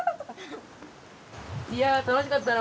いや楽しかったな。